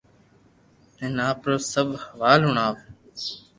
ھين آپرو سب حوال ھڻاو